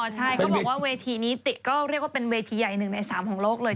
อ๋อใช่เขาบอกว่าเวทีนี้ได้เรียกว่าเป็นเวทีใหญ่หนึ่งใน๓ฯของโลกเลย